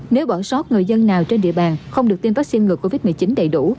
nếu bỏ sót người dân nào trên địa bàn không được tiêm vaccine ngừa covid một mươi chín đầy đủ